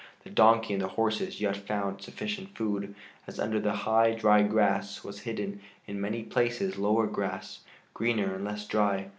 The donkey and the horses yet found sufficient food, as under the high, dry grass was hidden in many places lower grass, greener and less dry.